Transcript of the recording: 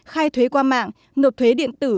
khai thuế qua mạng nộp thuế điện tử